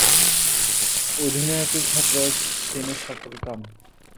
অধিনায়কের ক্ষেত্রেও তিনি সফলকাম।